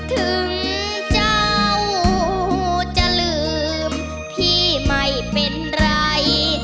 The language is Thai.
ถึงเจ้าจะลืมพี่ไม่เป็นไร